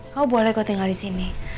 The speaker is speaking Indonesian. kamu boleh kok tinggal disini